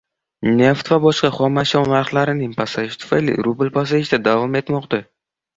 Neft va boshqa xom ashyo narxlarining pasayishi tufayli rubl pasayishda davom etmoqda